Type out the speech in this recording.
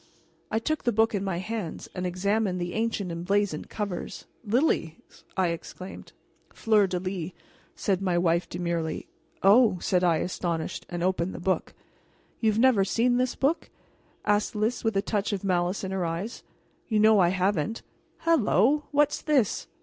I took the book in my hands and examined the ancient emblazoned covers. "Lilies!" I exclaimed. "Fleur de lis," said my wife demurely. "Oh!" said I, astonished, and opened the book. "You have never before seen this book?" asked Lys, with a touch of malice in her eyes. "You know I haven't. Hello! What's this?